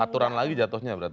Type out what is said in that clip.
aturan lagi jatuhnya berarti